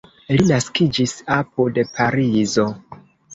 Li naskiĝis apud Parizo.